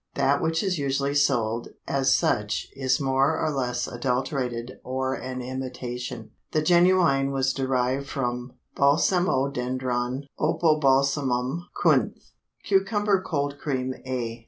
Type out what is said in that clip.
That which is usually sold as such is more or less adulterated or an imitation. The genuine was derived from Balsamodendron Opobalsamum Kunth. CUCUMBER COLD CREAM A.